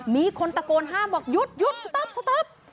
มีคนตะโกนห้ามบอกหยุดสต๊อป